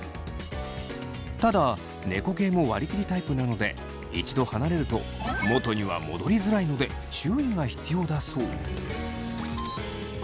ただ猫系も割り切りタイプなので一度離れると元には戻りづらいので注意が必要だそう。